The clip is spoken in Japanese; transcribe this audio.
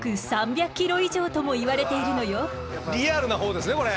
リアルな方ですねこれ。